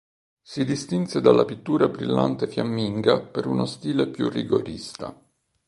Si distinse dalla pittura brillante fiamminga per uno stile più rigorista.